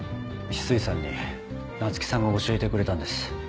翡翠さんに菜月さんが教えてくれたんです。